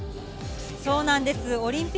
そうなんです。